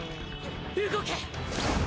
動け